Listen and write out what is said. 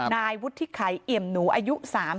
นายวุฒิไขเอี่ยมหนูอายุ๓๐